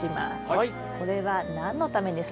はい。